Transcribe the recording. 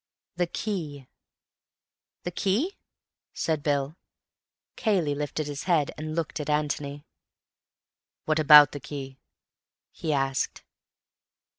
"The key." "The key?" said Bill. Cayley lifted his head and looked at Antony. "What about the key?" he asked.